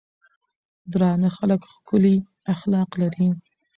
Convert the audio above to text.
درانۀ خلک ښکلي اخلاق لري.